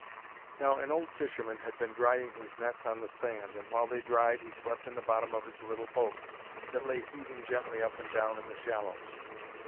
Now, an old fisherman had been drying his nets on the sand, and while they dried he slept in the bottom of his little boat, that lay heaving gently up and down in the shallows.